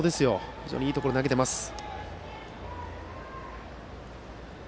非常にいいところへ投げています。